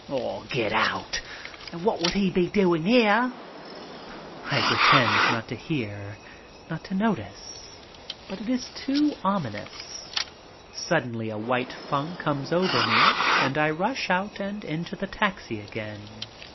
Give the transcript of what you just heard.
"Ah, get out! And wot would 'e be a doin' 'ere?" I pretend not to hear, not to notice. But it is too ominous. Suddenly a white funk comes over me and I rush out and into the taxi again.